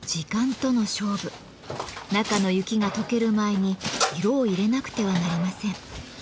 中の雪がとける前に色を入れなくてはなりません。